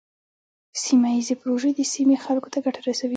سیمه ایزې پروژې د سیمې خلکو ته ګټه رسوي.